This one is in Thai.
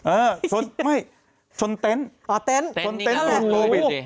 เออชนไม่ชนเต็นต์อ๋อเต็นต์ชนเต็นต์ติดโควิด